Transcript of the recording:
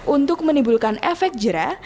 untuk menimbulkan efek jerah